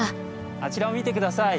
あちらを見て下さい。